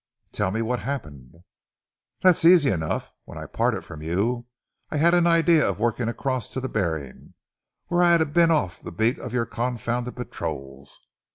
"Tell me what happened." "That's easy enough. When I parted from you, I had an idea of working across to the Behring, where I'd have been off the beat of your confounded patrols.